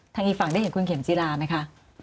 อีกฝั่งได้เห็นคุณเข็มจีราไหมคะ